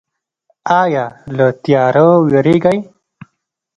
ایا له تیاره ویریږئ؟